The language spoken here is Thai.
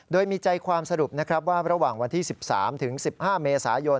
โดยมีใจความสรุปนะครับว่าระหว่างวันที่๑๓๑๕เมษายน